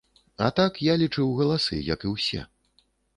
А так, я лічыў галасы, як і ўсе.